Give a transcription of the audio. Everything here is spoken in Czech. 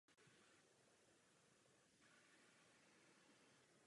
Hrubého.